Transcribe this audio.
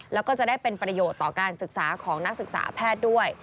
แล้วก็จะได้เป็นประโยชน์ต่อการศึกษาของนักศึกษาแพทย์ด้วย